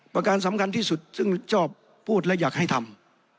ประการสำคัญที่สุดซึ่งชอบพูดและอยากให้ทำ